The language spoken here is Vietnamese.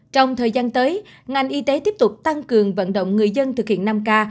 trong thời gian tới ngành y tế tiếp tục tăng cường vận động người dân thực hiện năm k